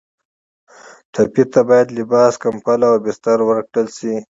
ټپي ته باید لباس، کمپله او بستر ورکړل شي.